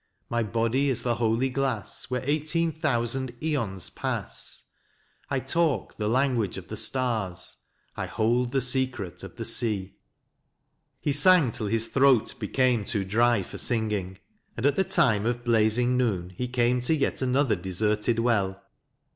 My body is the holy glass where eighteen thousand aeons pass: I talk the language of the stars, I hold the secret of the sea. He sang till his throat became too dry for singing, and at the time of blazing noon he came to yet another deserted well.